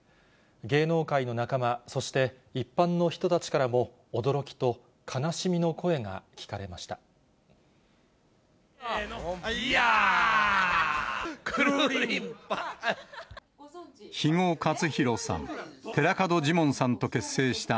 芸能界の仲間、そして一般の人たちからも、驚きと悲しみの声が聞かれました。